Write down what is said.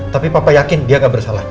tapi papa yakin dia gak bersalah